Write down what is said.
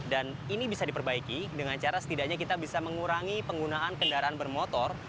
dan ini bisa diperbaiki dengan cara setidaknya kita bisa mengurangi penggunaan kendaraan bermotor